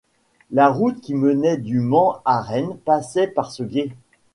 La route qui menait du Mans à Rennes passait par ce gué.